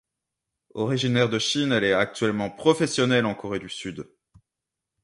Originaire de Chine, elle est actuellement professionnelle en Corée du Sud.